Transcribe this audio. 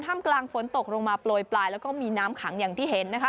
มกลางฝนตกลงมาโปรยปลายแล้วก็มีน้ำขังอย่างที่เห็นนะคะ